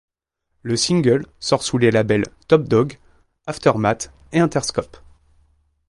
Le single sort sous les labels Top Dawg, Aftermath et Interscope.